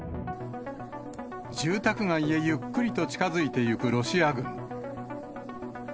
住宅街へゆっくりと近づいていくロシア軍。